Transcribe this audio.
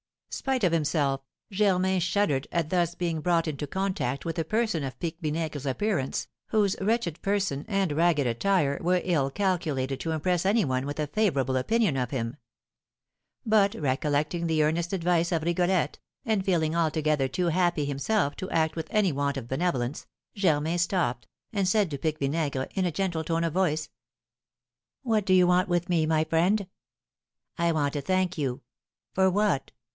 Spite of himself, Germain shuddered at thus being brought into contact with a person of Pique Vinaigre's appearance, whose wretched person and ragged attire were ill calculated to impress any one with a favourable opinion of him; but recollecting the earnest advice of Rigolette, and feeling altogether too happy himself to act with any want of benevolence, Germain stopped, and said to Pique Vinaigre, in a gentle tone of voice: "What do you want with me, my friend?" "I want to thank you." "For what?"